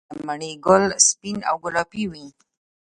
د مڼې ګل سپین او ګلابي وي؟